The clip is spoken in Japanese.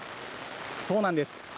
そうなんです。